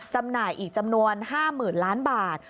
จำหน่ายอีกจำนวน๕๐๐๐ล้านบาท